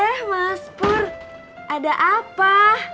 eh mas pur ada apa